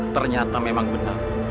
ternyata memang benar